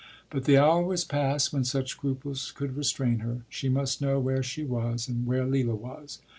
But the hour was past when such scruples could restrain her. She must know where she was and where Leila was.